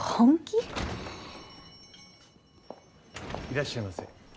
いらっしゃいませ。